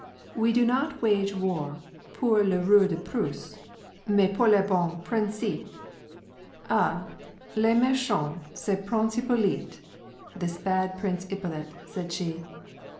" We do not wage war pour le roi de Prusse, mais pour les tons principes. Ah! le meehant, ce Prince Hippolyte! — this bad Prince Ippolit," said she.